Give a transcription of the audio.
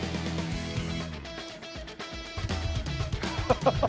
「ハハハハ！」